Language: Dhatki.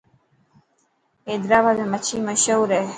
حيدرآباد ۾ مڇي مشهور هي.